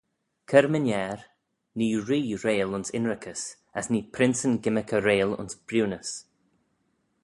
Cur-my-ner, nee ree reill ayns ynrickys, as nee princeyn gymmyrkey reill ayns briwnys.